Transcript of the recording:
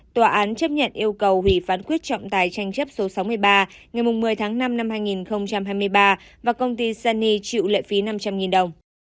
tòa án chấp nhận yêu cầu hủy phán quyết trọng tài tranh chấp số sáu mươi ba ngày một mươi tháng năm năm hai nghìn hai mươi ba và công ty sene chịu lệ phí năm trăm linh đồng